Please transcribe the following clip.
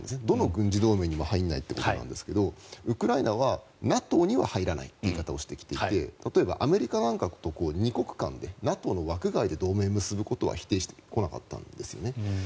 どの軍事同盟にも入らないということなんですがウクライナはＮＡＴＯに入らないという言い方をしてきて例えばアメリカなんかと２国間でＮＡＴＯの枠外で同盟を結ぶことは否定してこなかったんですね。